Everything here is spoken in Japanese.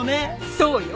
そうよ。